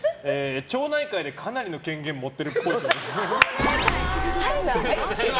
町内会でかなりの権限持ってるっぽい。